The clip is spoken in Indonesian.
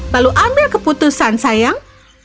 lalu ambil keputusan sayang